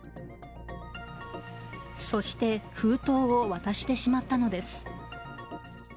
そして、封筒を渡してしまったのです。